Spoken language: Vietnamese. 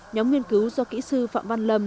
nhóm nghiên cứu do kỹ sư phạm văn lâm